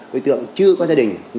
đối tượng chưa có gia đình